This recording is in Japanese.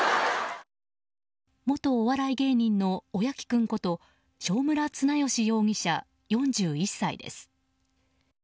元お笑い芸人のおやきくんこと正村綱良容疑者、４１歳です。